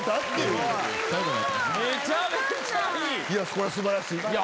これは素晴らしい。